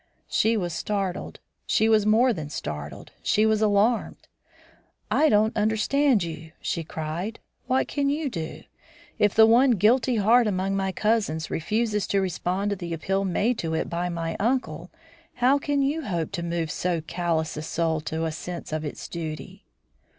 She was startled; she was more than startled; she was alarmed. "I don't understand you," she cried. "What can you do? If the one guilty heart among my cousins refuses to respond to the appeal made to it by my uncle, how can you hope to move so callous a soul to a sense of its duty?"